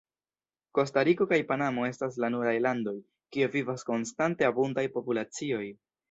Kostariko kaj Panamo estas la nuraj landoj, kie vivas konstante abundaj populacioj.